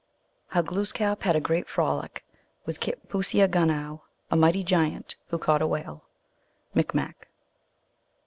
How Glooskap had a great Frolic ivith Kitpooseagunow, a Mighty Giant who caught a Whale. (Micmac.)